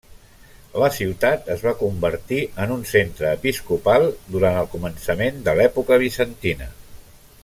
La ciutat es va convertir en un centre episcopal durant el començament de l'època bizantina.